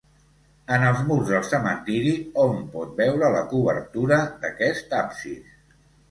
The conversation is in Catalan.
En els murs del cementiri hom pot veure la cobertura d'aquest absis.